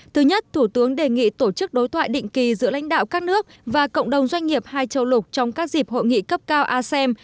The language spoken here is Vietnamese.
thứ nhất thủ tướng đề nghị tổ chức đối thoại định kỳ giữa lãnh đạo các nước và cộng đồng doanh nghiệp hai châu lục trong các dịp hội nghị cấp cao asem